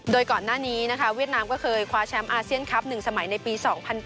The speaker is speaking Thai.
โดยก่อนหน้านี้นะคะเวียดนามก็เคยคว้าแชมป์อาเซียนคลับ๑สมัยในปี๒๐๐๘